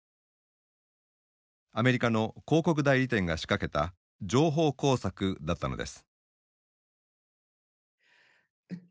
アメリカの広告代理店が仕掛けた情報工作だったのです。